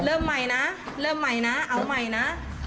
เริ่มใหม่นะเริ่มใหม่นะเอาใหม่นะ